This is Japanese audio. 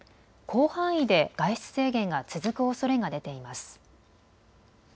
広範囲で外出制限が続くおそれが出ています。